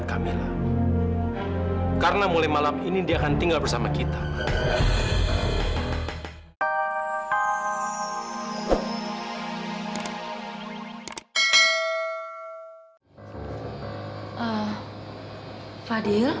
kamilah saya gak akan meninggalkan kamilah